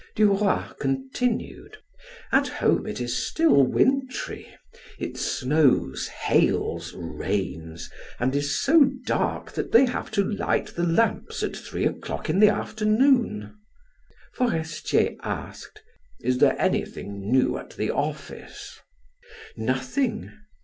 Duroy continued: "At home it is still wintry. It snows, hails, rains, and is so dark that they have to light the lamps at three o'clock in the afternoon." Forestier asked: "Is there anything new at the office?" "Nothing.